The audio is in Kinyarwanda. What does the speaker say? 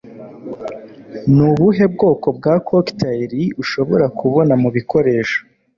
Nubuhe bwoko bwa Cocktail Ushobora Kubona Mubikoresho